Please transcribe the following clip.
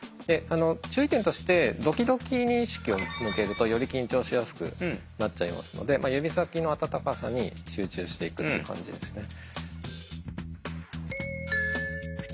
注意点としてドキドキに意識を向けるとより緊張しやすくなっちゃいますので指先の温かさに集中していくって感じですね。